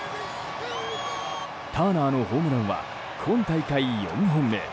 ターナーのホームランは今大会４本目。